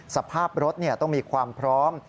สภาพรถต้องมีความพร้อม